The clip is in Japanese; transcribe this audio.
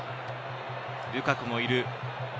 ルカクもいる。